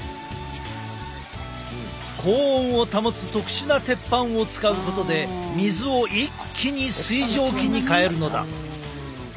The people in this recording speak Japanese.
高温を保つ特殊な鉄板を使うことで水を一気に水蒸気に変えるのだ。